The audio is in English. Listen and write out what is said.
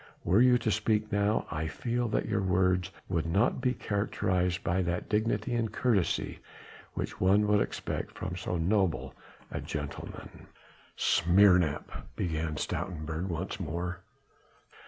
"Were you to speak now, I feel that your words would not be characterized by that dignity and courtesy which one would expect from so noble a gentleman." "Smeerlap! " began Stoutenburg once more.